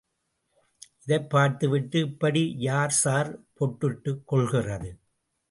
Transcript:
இதைப் பார்த்து விட்டு இப்படி யார் சார் பொட்டிட்டுக் கொள்கிறது.